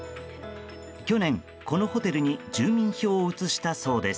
去年、このホテルに住民票を移したそうです。